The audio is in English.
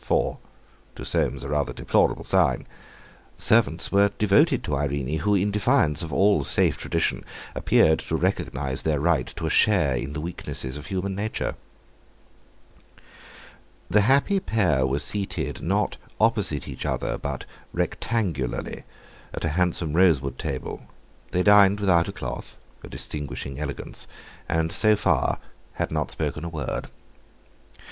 For—to Soames a rather deplorable sign—servants were devoted to Irene, who, in defiance of all safe tradition, appeared to recognise their right to a share in the weaknesses of human nature. The happy pair were seated, not opposite each other, but rectangularly, at the handsome rosewood table; they dined without a cloth—a distinguishing elegance—and so far had not spoken a word.